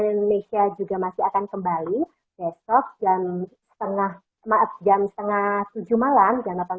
indonesia juga masih akan kembali besok dan setengah maaf jam setengah tujuh malam dan delapan belas tiga puluh